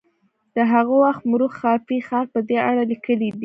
د هغه وخت مورخ خافي خان په دې اړه لیکلي دي.